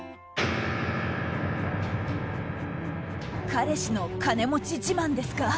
彼氏の金持ち自慢ですか？